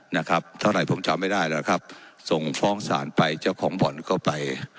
นะครับเท่าไหร่ผมจำไม่ได้แล้วครับส่งฟ้องศาลไปเจ้าของบ่อนก็ไป